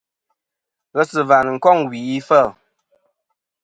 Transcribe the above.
Ghesɨ̀và nɨn kôŋ wì ifêl.